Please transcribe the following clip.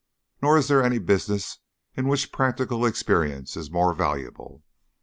Nor is there any business in which practical experience is more valuable.